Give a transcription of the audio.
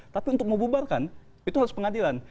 tapi untuk membubarkan itu harus pengadilan